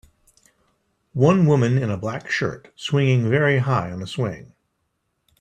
One woman in a black shirt swinging very high on a swing.